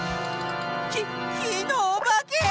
ききのおばけ！